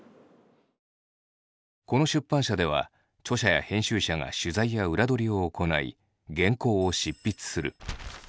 この出版社では著者や編集者が取材や裏取りを行い原稿を執筆する。